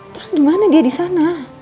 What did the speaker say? terus gimana dia disana